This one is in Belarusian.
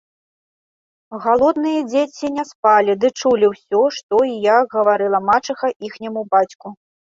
Галодныя дзеці не спалі, дык чулі ўсё, што і як гаварыла мачыха іхняму бацьку